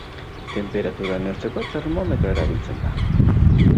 tenperatura neurtzeko, termometroa erabiltzen da.